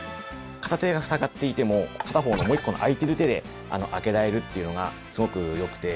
片手が塞がっていても片方のもう１個の空いている手で開けられるというのがすごくよくて